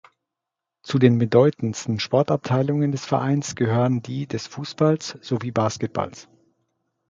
Zu den bedeutendsten Sportabteilungen des Vereins gehören die des Fußballs sowie Basketballs.